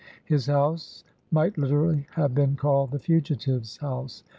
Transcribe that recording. His house might literally have been called the u fugitive's house."